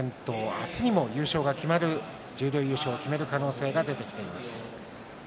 明日にも優勝が決まる十両優勝を決める可能性が出ています。